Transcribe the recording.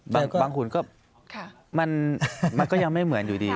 หุ่นก็มันก็ยังไม่เหมือนอยู่ดี